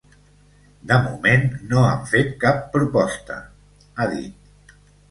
De moment no han fet cap proposta, ha dit.